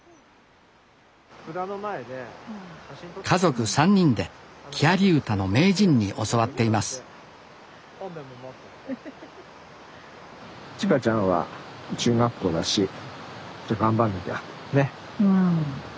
家族３人で木遣り歌の名人に教わっています知花ちゃんは中学校だしじゃ頑張んなきゃね。